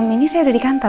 ini saya udah di kantor